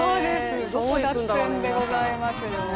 争奪戦でございますよ。